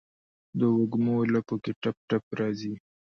دوږمو لپو کې ټپ، ټپ راځي